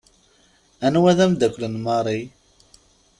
Anwa d amdakel n Marie?